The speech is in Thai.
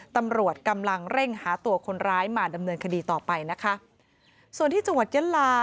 ตำรวจกำลังเร่งหาตัวคนร้ายมาดำเนินคดีต่อไปนะคะส่วนที่จังหวัดยะลา